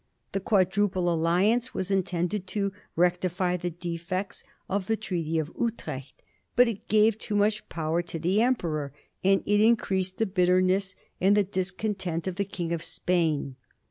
The Quadruple Alliance was intended to rectify the defects of the Treaty of Utrecht ; but it gave too much power to the Emperor, and it increased the bitterness and the discontent of the King of Spain.